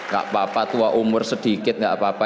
gak apa apa tua umur sedikit gak apa apa